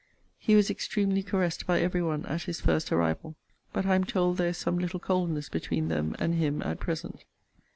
He was extremely caressed by every one at his first arrival; but I am told there is some little coldness between them and him at present.